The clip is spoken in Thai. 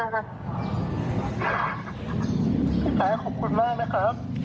พี่แป๊กขอบคุณมากนะครับ